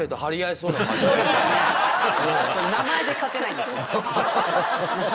名前で勝てないんですよ。